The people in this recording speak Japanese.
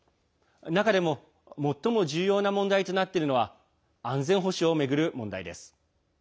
中でも、最も重要な問題となっているのは安全保障を巡る問題です。